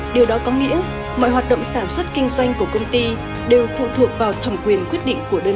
điều đó có nghĩa mọi hoạt động sản xuất kinh doanh của công ty đều phụ thuộc vào thẩm quyền